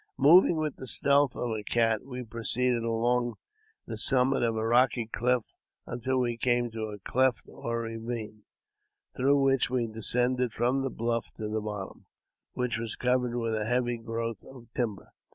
Moving with the stealth of a cat, we proceeded along the summit of a rocky cliff until we came to a cleft or ravine, through which we descended from the bluff to the bottom, which was ■covered with a heavy growth of timber.